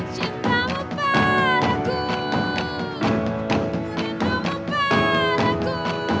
cintamu padaku rindumu padaku